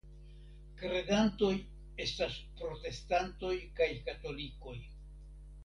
Kredantoj estas protestantoj kaj katolikoj.